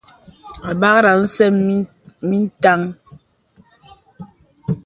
Àbakraŋ sə̀m mə ìtəŋ.